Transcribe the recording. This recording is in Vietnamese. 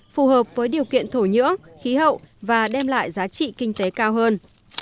phù hợp với điều kiện thổ nhưỡng khí hậu và đem lại giá trị kinh tế cao hơn